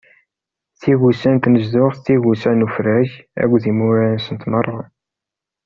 Tigusa n tnezduɣt, tigusa n ufrag akked imurar-nsent meṛṛa.